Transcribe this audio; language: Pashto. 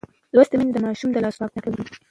لوستې میندې د ماشوم د لاسونو پاکوالی تعقیبوي.